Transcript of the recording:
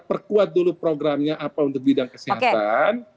perkuat dulu programnya apa untuk bidang kesehatan